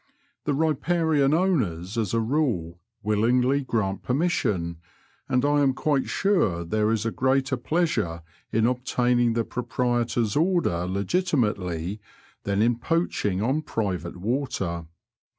The riparian owners as a rule willingly grant permission, and I am quite sure there is greater pleasure in obtaining the proprietor's order legitimately than in poaching on private water.